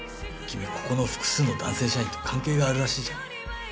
君ここの複数の男性社員と関係があるらしいじゃない。